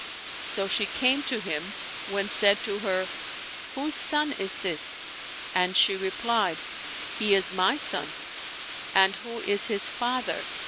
" So she came to him, when said to her, " Whose son is this ?" and she replied, " He is my son." " And who is his father